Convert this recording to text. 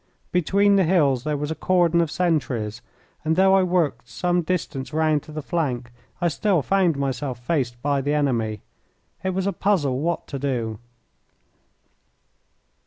Between the hills there was a cordon of sentries, and though I worked some distance round to the flank I still found myself faced by the enemy. It was a puzzle what to do.